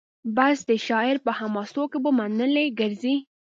بس د شاعر په حماسو کي به منلي ګرځي